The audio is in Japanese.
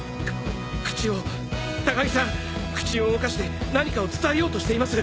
口を高木さん口を動かして何かを伝えようとしています。